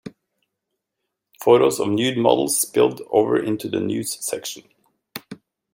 Photos of nude models spilled over into the news section.